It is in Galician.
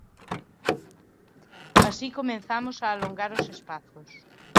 Así comezamos a alongar os espazos.